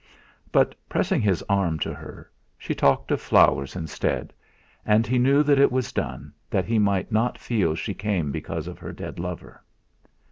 But, pressing his arm to her, she talked of flowers instead, and he knew it was done that he might not feel she came because of her dead lover.